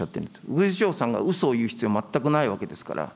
ウグイス嬢はうそを言う必要、全くないわけですから。